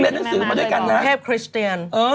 แทบคริสเตียน